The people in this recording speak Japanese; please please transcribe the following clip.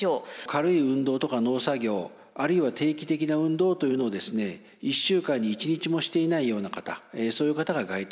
軽い運動とか農作業あるいは定期的な運動というのを１週間に１日もしていないような方そういう方が該当していきます。